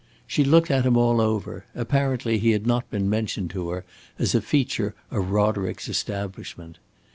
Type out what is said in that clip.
She looked at him all over; apparently he had not been mentioned to her as a feature of Roderick's establishment.